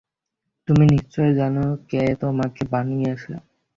তুমি নিশ্চয়ই জানো কে তোমাকে বানিয়েছে?